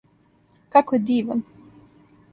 Како је диван!